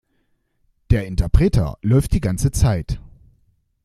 Der Interpreter läuft die ganze Zeit.